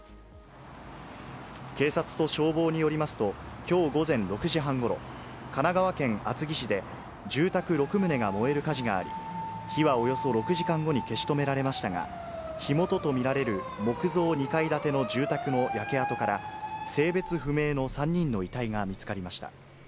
警察と消防によりますと、きょう午前６時半ごろ、神奈川県厚木市で住宅６棟が燃える火事があり、火はおよそ６時間後に消し止められましたが、火元と見られる木造２階建ての住宅の焼け跡から、性別不明の３人の遺体が見つかりました。